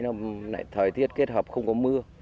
xunglace cũ nh funktioniert thoring an thiệt kết hợp không có mưa